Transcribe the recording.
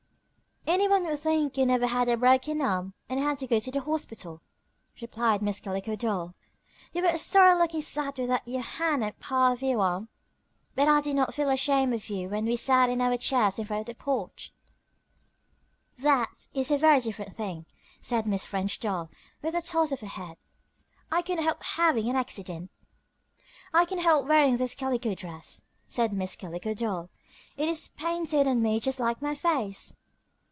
"Anyone would think you never had a broken arm and had to go to the hospital," replied Miss Calico Doll. "You were a sorry looking sight without your hand and part of your arm, but I did not feel ashamed of you when we sat in our chairs on the front porch." "That is a very different thing," said Miss French Doll, with a toss of her head. "I could not help having an accident." "I cannot help wearing this calico dress," said Miss Calico Doll. "It is painted on me just like my face."